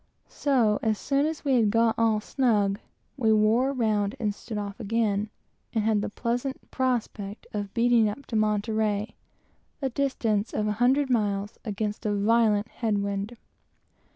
So, as soon as we had got all snug, we wore round and stood off again, and had the pleasant prospect of beating up to Monterey, a distance of an hundred miles, against a violent head wind.